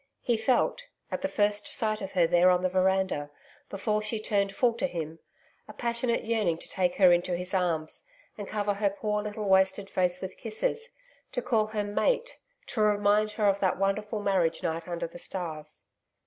He felt, at the first sight of her there on the veranda, before she turned full to him, a passionate yearning to take her in his arms, and cover her poor little wasted face with kisses to call her 'Mate'; to remind her of that wonderful marriage night under the stars.